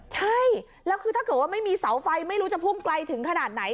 ใช่แล้วคือถ้าเกิดว่าไม่มีเสาไฟไม่รู้จะพุ่งไกลถึงขนาดไหน